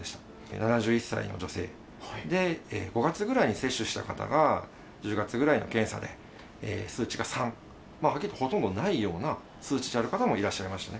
７１歳の女性で、５月ぐらいに接種した方が１０月ぐらいの検査で数値が３、はっきり言ってほとんどないような数値である方もいらっしゃいましたね。